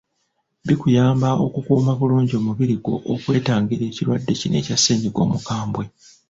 Bikuyamba okukuuma bulungi omubiri gwo okwetangira ekirwadde kino ekya ssennyiga omukambwe.